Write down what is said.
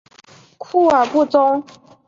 库尔布宗。